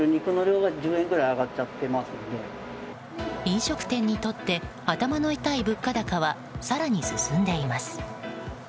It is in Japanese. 飲食店にとって頭の痛い物価高は更に進んでいます。